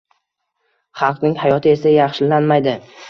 Xalqning hayoti esa... yaxshilanmaydi.